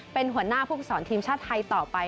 เป็นหัวหน้าผู้ฝึกสอนทีมชาติไทยต่อไป